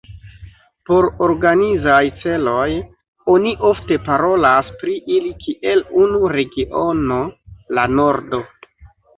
Por organizaj celoj, oni ofte parolas pri ili kiel unu regiono, La Nordo.